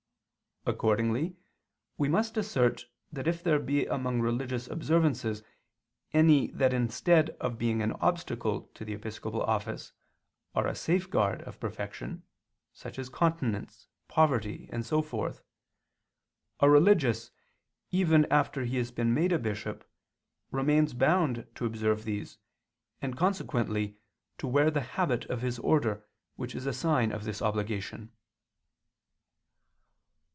Accordingly we must assert that if there be among religious observances any that instead of being an obstacle to the episcopal office, are a safeguard of perfection, such as continence, poverty, and so forth, a religious, even after he has been made a bishop, remains bound to observe these, and consequently to wear the habit of his order, which is a sign of this obligation.